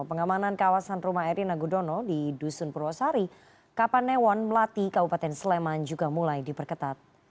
pengamanan kawasan rumah erina gudono di dusun purwosari kapanewon melati kabupaten sleman juga mulai diperketat